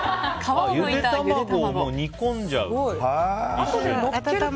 ゆで卵を煮込んじゃうんだ。